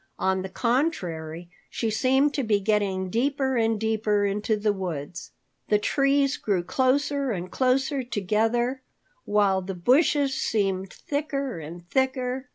On the contrary, she seemed to be getting deeper and deeper into the woods. The trees grew closer and closer together, while the bushes seemed thicker and thicker.